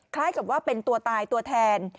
คล้ายกับว่าเป็นตัวตายตัวแทน